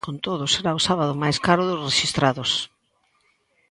Con todo, será o sábado máis caro dos rexistrados.